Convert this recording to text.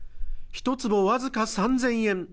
１坪僅か３０００円